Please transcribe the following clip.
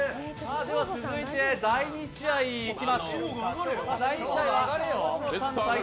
続いて第２試合にいきます。